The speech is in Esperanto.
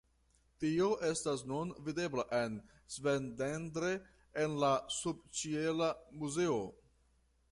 Tio estas nun videbla en Szentendre en la subĉiela muzeo.